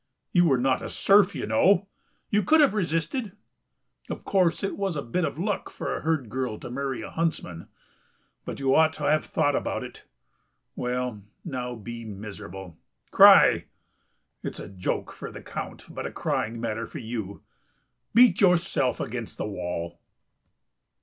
You were not a serf, you know; you could have resisted. Of course it was a bit of luck for a herd girl to marry a huntsman, but you ought to have thought about it. Well, now be miserable, cry. It's a joke for the Count, but a crying matter for you.... Beat yourself against the wall."